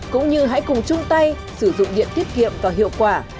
cũng như hãy cùng chung tay sử dụng điện tiết kiệm và hiệu quả